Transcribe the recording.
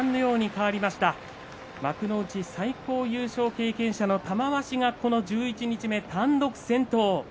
幕内最高優勝経験者の玉鷲が十一日目で単独の先頭。